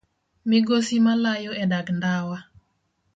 Migosi malayo e dag ndawa